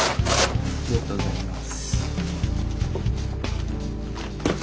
ありがとうございます。